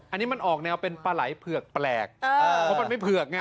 อันนี้มันออกแนวเป็นปลาไหล่เผือกแปลกเพราะมันไม่เผือกไง